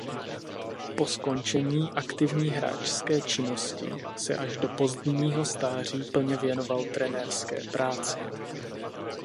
Po skončení aktivní hráčské činnosti se až do pozdního stáří plně věnoval trenérské práci.